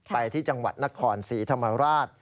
ไปที่จังหวัดนครศรีธรรมราช